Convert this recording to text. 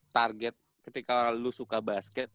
target ketika lo suka basket